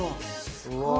すごい。